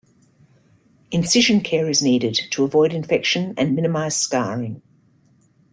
Incision care is needed to avoid infection and minimize scarring.